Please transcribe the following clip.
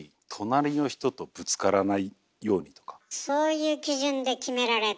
そういう基準で決められた。